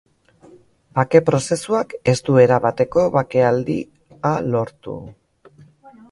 Bake-prozesuak ez du erabateko bakealdia lortu.